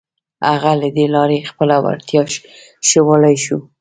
هغه له دې لارې خپله وړتيا ښوولای شوه.